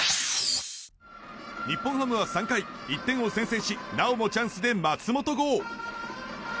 日本ハムは３回１点を先制しなおもチャンスで松本剛。